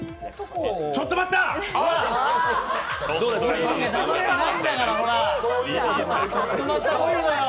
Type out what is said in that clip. ちょっと待った！！